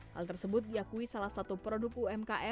hal tersebut diakui salah satu produk umkm yang memiliki kedai kondisi